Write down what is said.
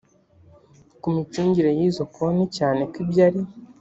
ku micungire y izo konti cyane ko ibyo ari